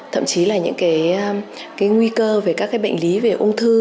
thậm chí là những cái nguy cơ về các cái bệnh lý về ung thư